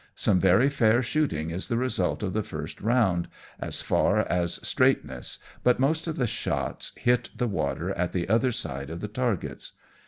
Some very fair shooting is the result of the first round, as far as straightness, but most of the shots hit the water at the other side of the targets.